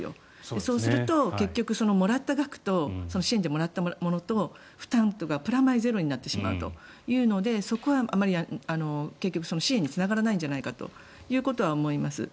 そうすると、結局もらった額とその支援でもらったものと負担とがプラマイゼロになってしまうというのでそこはあまり、結局支援につながらないんじゃないかということは思います。